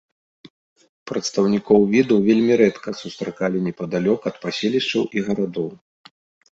Прадстаўнікоў віду вельмі рэдка сустракалі непадалёк ад паселішчаў і гарадоў.